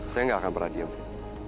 saya nggak akan pernah diem fit